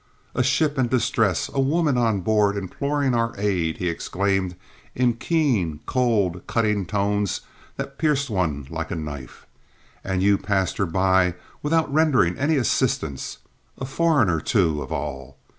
"A ship in distress, a woman on board imploring our aid," he exclaimed in keen, cold, cutting tones that pierced one like a knife, "and you passed her by without rendering any assistance, a foreigner too, of all.